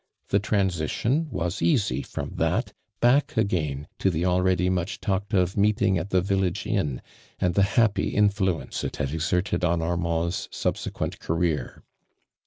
The transition was easy from tnat back again to the already much talked of meeting at the village inn, and the happy influence it had exerted on Armond's Hub isemient career.